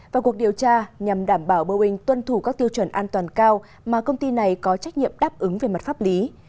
và cuộc điều tra nhằm đảm bảo boeing tuân thủ các tiêu chuẩn an toàn cao mà công ty này có trách nhiệm đáp ứng về mặt pháp lý